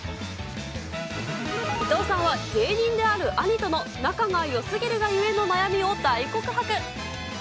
伊藤さんは、芸人である兄との仲がよすぎるがゆえの悩みを大告白。